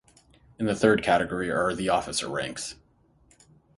In the third category are the Officer ranks.